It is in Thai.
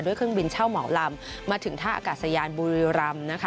เครื่องบินเช่าเหมาลำมาถึงท่าอากาศยานบุรีรำนะคะ